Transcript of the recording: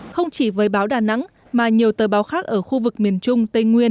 không chỉ với báo đà nẵng mà nhiều tờ báo khác ở khu vực miền trung tây nguyên